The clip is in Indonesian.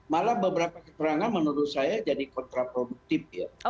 malah beberapa keterangan menurut saya jadi kontraproduktif ya